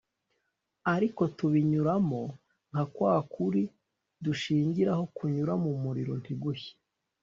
ariko tubinyuramo nka kwa kuri dushingiraho kunyura mu muriro ntigushye